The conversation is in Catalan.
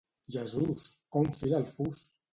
Jesús! Com fila el fus!